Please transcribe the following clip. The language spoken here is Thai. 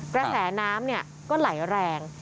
กระแสน้ำเนี่ยก็ไหลแรง